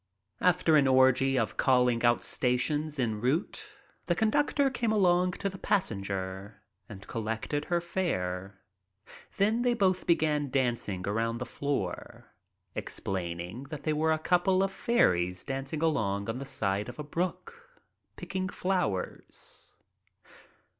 After an orgy of calling out stations en route the conductor came along to the passenger and collected her fare. Then they both began dancing around the floor, explaining that they were a couple of fairies dancing along the side of a brook, picking flowers.